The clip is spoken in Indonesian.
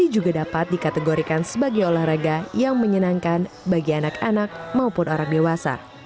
juga dapat dikategorikan sebagai olahraga yang menyenangkan bagi anak anak maupun orang dewasa